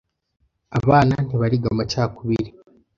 Abana ntibariga amacakubiri.